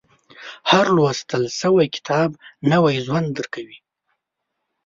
• هر لوستل شوی کتاب، نوی ژوند درکوي.